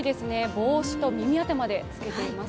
帽子と耳当てまでつけています。